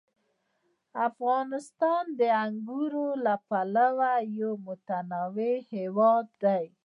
افغانستان د انګورو له پلوه یو متنوع هېواد دی.